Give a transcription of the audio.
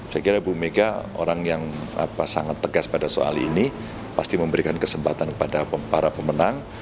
saya kira ibu mega orang yang sangat tegas pada soal ini pasti memberikan kesempatan kepada para pemenang